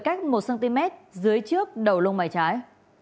cách một cm dưới trước đầu lông máy trái